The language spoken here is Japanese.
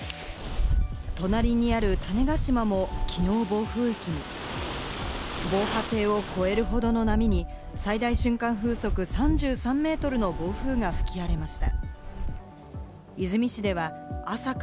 隣にある種子島も、きのう暴風域に防波堤を超えるほどの波に、最大瞬間風速３３メートルの暴風が吹き荒れました。